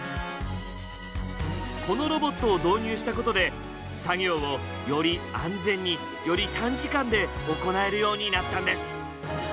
このロボットを導入したことで作業をより安全により短時間で行えるようになったんです。